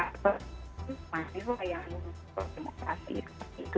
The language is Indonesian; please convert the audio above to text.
ini bukan yang